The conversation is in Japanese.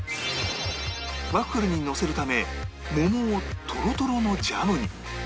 ワッフルにのせるため桃をトロトロのジャムに